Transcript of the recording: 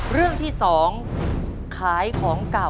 เรื่องที่๒ขายของเก่า